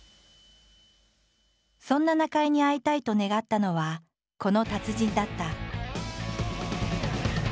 そんな中井に会いたいと願ったのはこの達人だった。